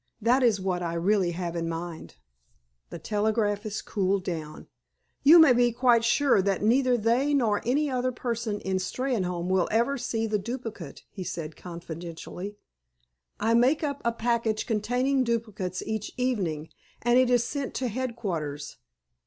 That is what I really have in mind." The telegraphist cooled down. "You may be quite sure that neither they nor any other person in Steynholme will ever see the duplicate," he said confidentially. "I make up a package containing duplicates each evening, and it is sent to headquarters.